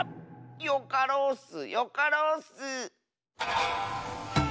よかろうッスよかろうッス！